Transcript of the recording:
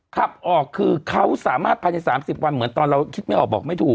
ขับออกคือเขาสามารถภายใน๓๐วันเหมือนตอนเราคิดไม่ออกบอกไม่ถูก